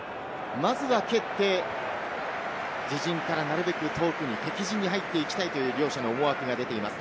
まずは蹴って自陣からなるべく遠くに敵陣に入っていきたいという両者の思惑が出ています。